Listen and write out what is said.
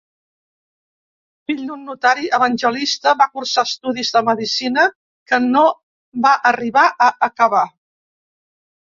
Fill d'un notari evangelista, va cursar estudis de medicina que no va arribar a acabar.